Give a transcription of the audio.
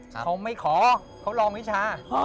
เค้าไม่ขอเค้าลองไม่ช้า